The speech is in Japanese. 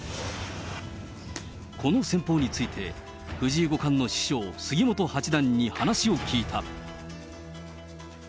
この戦法について、藤井五冠の師匠、杉本八段に話を聞いた。